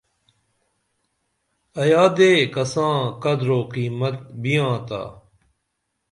ایا دے کساں قدر او قیمت بیاں تا